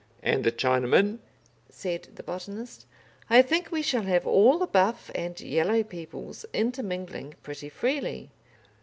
"And the Chinaman?" said the botanist. "I think we shall have all the buff and yellow peoples intermingling pretty freely."